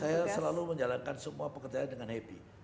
saya selalu menjalankan semua pekerjaan dengan happy